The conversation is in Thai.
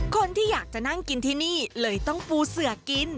คนที่อยากจะนั่งกินที่นี่เลยต้องปูเสือกิน